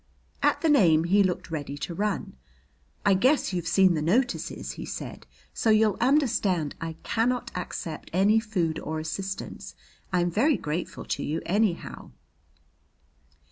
At the name he looked ready to run. "I guess you've seen the notices," he said, "so you'll understand I cannot accept any food or assistance. I'm very grateful to you, anyhow."